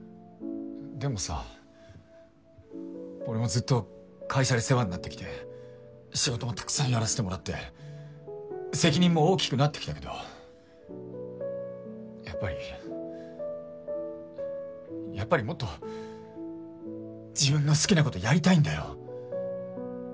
でもさ俺もずっと会社で世話になってきて仕事もたくさんやらせてもらって責任も大きくなってきたけどやっぱりやっぱりもっと自分の好きなことやりたいんだよ。